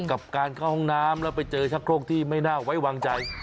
กับการเข้าห้องน้ำแล้วไปเจอชักโครกที่ไม่น่าไว้วางใจ